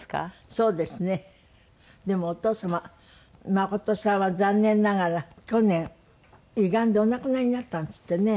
でもお父様まことさんは残念ながら去年胃がんでお亡くなりになったんですってね。